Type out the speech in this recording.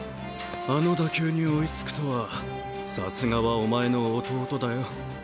あの打球に追いつくとはさすがはお前の弟だよ。